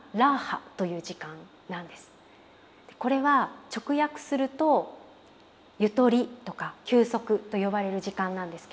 これは直訳するとゆとりとか休息と呼ばれる時間なんですけど。